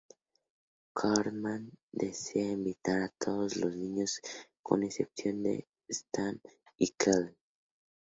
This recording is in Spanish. Cartman desea invitar a todos los niños con excepción de Stan y Kyle.